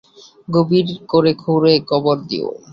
গভীর করে খুঁড়ে কবর দিও।